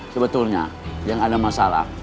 sebetulnya yang ada masalah